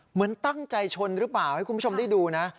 เหมือนตั้งใจชนหรือเปล่าให้คุณผู้ชมได้ดูนะ